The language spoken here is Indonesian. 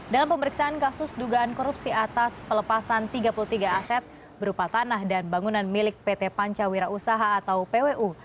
dalam pemeriksaan kasus dugaan korupsi atas pelepasan tiga puluh tiga aset berupa tanah dan bangunan milik pt pancawira usaha atau pwu